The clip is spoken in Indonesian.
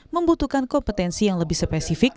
membutuhkan kompetensi yang lebih spesifik